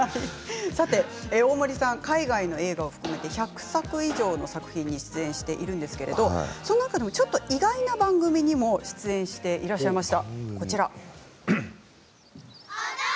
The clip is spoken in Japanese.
大森さん海外の映画含めて１００作以上の作品に出演しているんですけれどその中でもちょっと意外な番組にも出演していらっしゃいます。